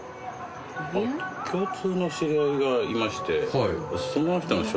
共通の知り合いがいまして。